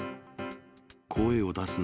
声を出すな。